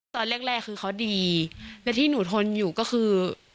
ตอนแรกแรกคือเขาดีและที่หนูทนอยู่ก็คือ